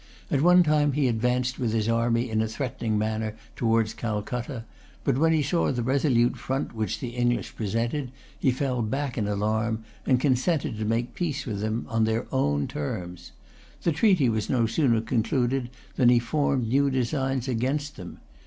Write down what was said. At one time he advanced with his army in a threatening manner towards Calcutta; but when he saw the resolute front which the English presented, he fell back in alarm, and consented to make peace with them on their own terms. The treaty was no sooner concluded than he formed new designs against them.